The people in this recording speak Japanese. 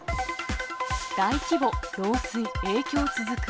大規模漏水影響続く。